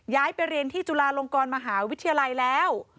ย้ายไปเรียนที่จุฬาลงกรมหาวิทยาลัยแล้ว